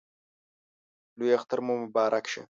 لوی اختر مو مبارک شه